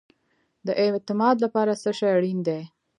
د اعتماد لپاره څه شی اړین دی؟